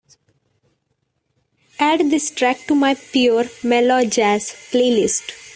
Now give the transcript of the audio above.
add this track to my Pure Mellow Jazz playlist